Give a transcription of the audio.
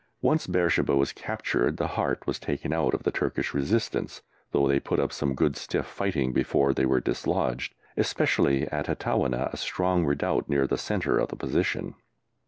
Once Beersheba was captured, the heart was taken out of the Turkish resistance, though they put up some stiff fighting before they were dislodged, especially at Atawineh, a strong redoubt near the centre of the position.